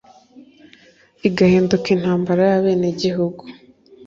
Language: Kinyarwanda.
igahinduka intambara y'abenegihugu